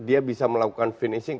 dia bisa melakukan finishing